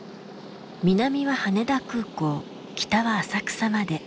南は羽田空港北は浅草まで。